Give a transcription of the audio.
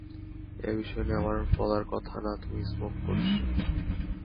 এ বিষয় নিয়ে আমার বলার কথা না, তুমি স্মোক করছ।